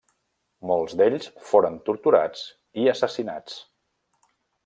Molts d'ells foren torturats i assassinats.